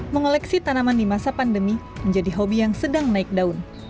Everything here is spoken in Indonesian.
mengoleksi tanaman di masa pandemi menjadi hobi yang sedang naik daun